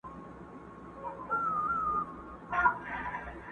د هغه په زړه کي بل د میني اور وو!!